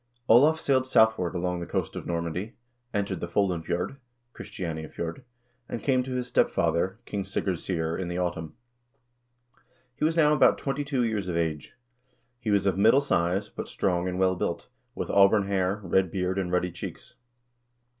Olav sailed southward along the coast of Norway, entered the Foldenfjord (Christianiafjord), and came to his step father, King Sigurd Syr, in the autumn. He was now about twenty two years of age. He was of middle size, but strong and well built, with auburn hair, red beard, and ruddy cheeks.